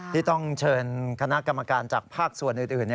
ที่ต้องเชิญคณะกรรมการจากภาคส่วนอื่น